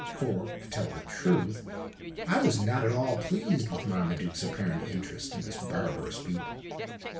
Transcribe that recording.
For, to tell the truth, I was not at all pleased with Marmaduke's apparent interest in this barbarous people.